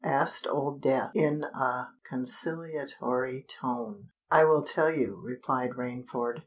asked Old Death in a conciliatory tone. "I will tell you," replied Rainford.